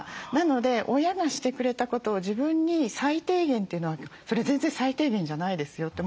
なので親がしてくれたことを自分に最低限というのはそれは全然最低限じゃないですよって。